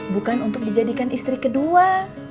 bukan untuk dijadikan istri kedua